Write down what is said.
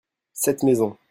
Cette maison.